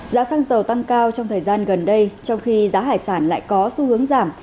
giá xăng dầu tăng cao trong thời gian gần đây trong khi giá hải sản lại có xu hướng giảm